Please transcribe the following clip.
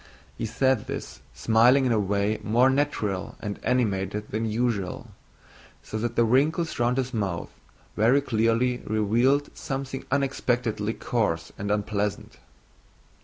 He said this smiling in a way more natural and animated than usual, so that the wrinkles round his mouth very clearly revealed something unexpectedly coarse and unpleasant.